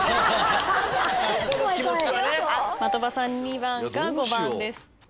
的場さん２番か５番です。